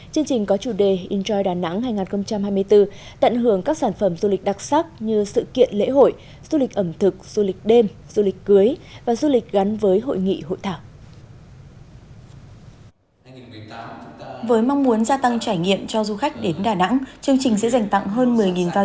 chương trình có chủ đề induri đà nẵng hai nghìn hai mươi bốn tận hưởng các sản phẩm du lịch đặc sắc như sự kiện lễ hội du lịch ẩm thực du lịch đêm du lịch cưới và du lịch gắn với hội nghị hội thảo